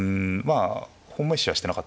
本命視はしてなかったですね。